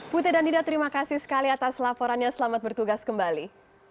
putih dan dida terima kasih sekali atas laporannya selamat bertugas kembali